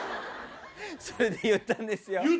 それで言ったんですよ。